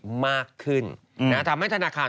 ธนาคารอิเล็กทรอนิกส์มากขึ้น